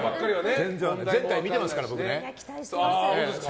前回、見てますから、僕。